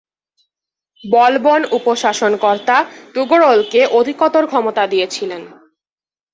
বলবন উপ-শাসনকর্তা তুগরলকে অধিকতর ক্ষমতা দিয়েছিলেন।